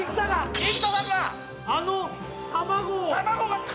あの卵を！